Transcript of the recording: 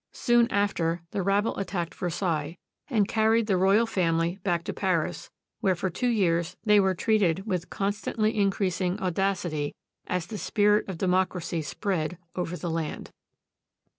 Soon after, the rabble attacked Versailles and carried the royal family back to Paris, where for two years they were treated with constantly increasing audacity as the spirit of democracy spread over the land.